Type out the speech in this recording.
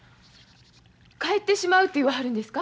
帰ってしまうって言わはるんですか？